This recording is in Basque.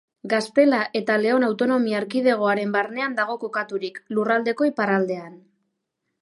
Gaztela eta Leon Autonomia Erkidegoaren barnean dago kokaturik, lurraldeko iparraldean.